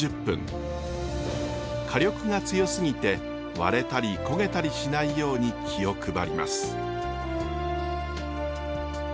火力が強すぎて割れたり焦げたりしないように気を配ります。